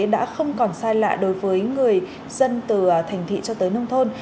đã không còn sai lạ đối với người dân từ thành thị cho tới nông thôn